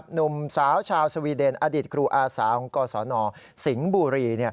หนุ่มสาวชาวสวีเดนอดีตครูอาสาของกศนสิงห์บุรี